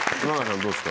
どうですか？